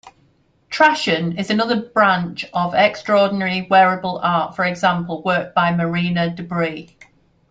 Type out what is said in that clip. Trashion is another branch of extraordinary wearable art, for example, work by Marina DeBris.